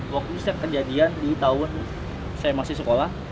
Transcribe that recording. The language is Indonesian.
waktu itu saya kejadian di tahun saya masih sekolah